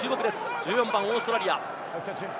１４番、オーストラリア。